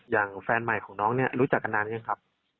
อย่างแฟนใหม่ของน้องเนี่ยรู้จักกันนานหรือยังครับ